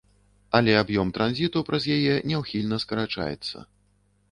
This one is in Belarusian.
Але аб'ём транзіту праз яе няўхільна скарачаецца.